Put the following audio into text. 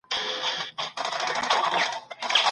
عامه افکار د سياسي پرېکړو تر ټولو پياوړې سرچينه ده.